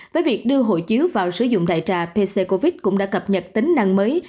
với việc đưa hộ chiếu vào sử dụng đại trà pccovid cũng đã cập nhật tính năng mới